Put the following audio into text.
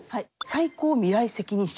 最高未来責任者？